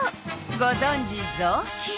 ごぞんじぞうきん！